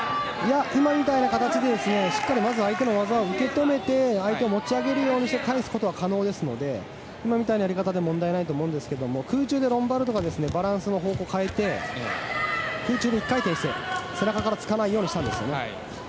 今みたいな形でしっかりまず相手の技を受け止めて相手を持ち上げるようにして返すことは可能ですので今みたいなやり方で問題ないと思いますが空中でロンバルドがバランスの方向を変えて空中で１回転して背中からつかないようにしたんです。